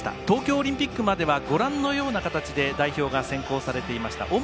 東京オリンピックまではご覧のような形で代表が選考されていました。